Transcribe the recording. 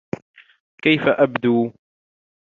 كيف أبدو؟